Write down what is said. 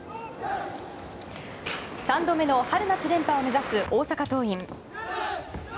３度目の春夏連覇を目指す大阪桐蔭。